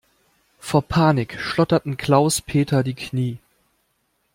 Vor Panik schlotterten Klaus-Peter die Knie.